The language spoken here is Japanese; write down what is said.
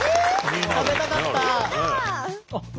食べたかった！